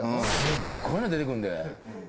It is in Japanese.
すっごいの出てくんで。